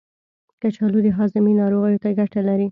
کچالو د هاضمې ناروغیو ته ګټه لري.